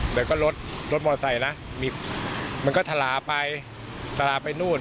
เดี๋ยวก็รถรถมอเตอร์ไซค์นะมีมันก็ทะลาไปทะลาไปนู่น